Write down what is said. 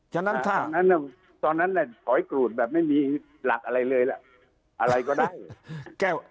เช่นแหละ